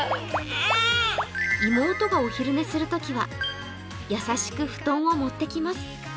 妹がお昼寝するときは、優しく布団を持ってきます。